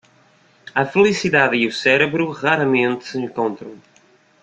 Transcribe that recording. A felicidade e o cérebro raramente se encontram.